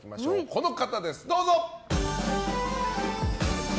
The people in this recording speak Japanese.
この方です、どうぞ。